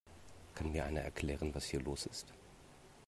Kann mir einer erklären, was hier los ist?